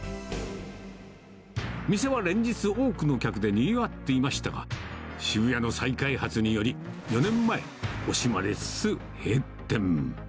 店は連日、多くの客でにぎわっていましたが、渋谷の再開発により、４年前、惜しまれつつ閉店。